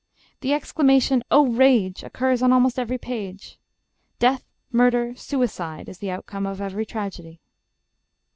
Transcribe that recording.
The exclamation, "Oh, rage" occurs on almost every page. Death, murder, suicide, is the outcome of every tragedy.